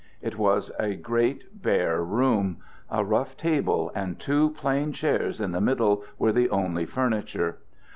It was a great bare room. A rough table and two plain chairs in the middle were the only furniture.